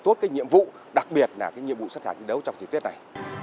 tốt cái nhiệm vụ đặc biệt là cái nhiệm vụ sát thả chiến đấu trong chiến tiết này